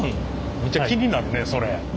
めっちゃ気になるねそれ！